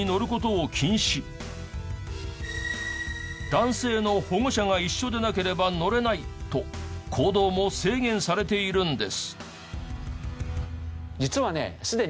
男性の保護者が一緒でなければ乗れないと行動も制限されているんです。